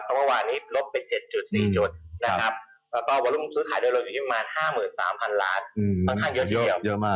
สัปดาห์นี้ก็เป็นสัปดาห์ที่เริ่มต้นของปีใช่ไหมพี่